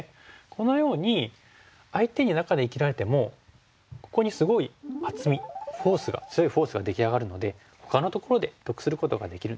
このように相手に中で生きられてもここにすごい厚みフォースが強いフォースが出来上がるのでほかのところで得することができるんですね。